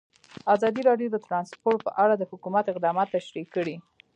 ازادي راډیو د ترانسپورټ په اړه د حکومت اقدامات تشریح کړي.